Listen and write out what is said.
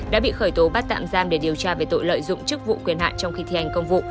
đã bị khởi tố bắt tạm giam để điều tra về tội lợi dụng chức vụ quyền hạn trong khi thi hành công vụ